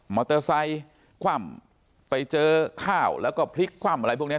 เตอร์ไซค์คว่ำไปเจอข้าวแล้วก็พลิกคว่ำอะไรพวกนี้